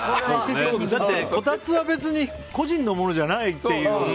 だって、こたつは別に個人のものじゃないっていう。